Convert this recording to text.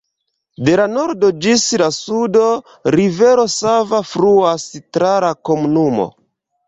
De la nordo ĝis la sudo, rivero Sava fluas tra la komunumo.